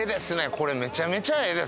これめちゃめちゃええですね！